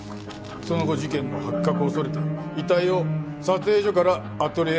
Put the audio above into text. その後事件の発覚を恐れて遺体を撮影所からアトリエへ運んだ。